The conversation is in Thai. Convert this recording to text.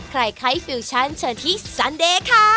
ใครฟิลส์ชันเชิญที่ซั่นเด